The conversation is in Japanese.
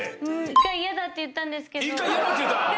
１回嫌だって言ったんですけど